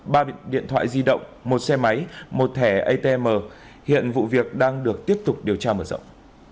ba điện thoại di động một xe máy một thẻ atm hiện vụ việc đang được tiếp tục điều tra mở rộng